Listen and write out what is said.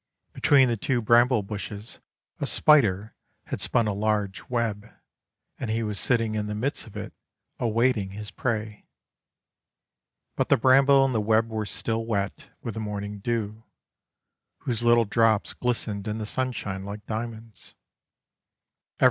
Between the two bramble bushes a spider had spun a large web, and he was sitting in the midst of it awaiting his prey. But the bramble and the web were still wet with the morning dew, whose little drops glistened in the sunshine like diamonds.